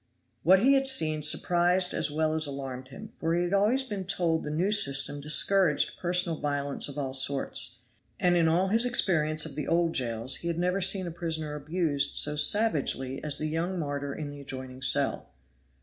What he had seen surprised as well as alarmed him, for he had always been told the new system discouraged personal violence of all sorts; and in all his experience of the old jails he had never seen a prisoner abused so savagely as the young martyr in the adjoining cell.